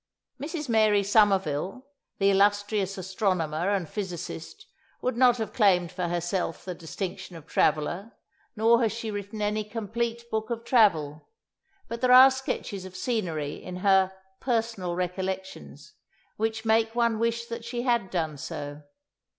Mrs. Mary Somerville, the illustrious astronomer and physicist, would not have claimed for herself the distinction of traveller, nor has she written any complete book of travel; but there are sketches of scenery in her "Personal Recollections" which make one wish that she had done so.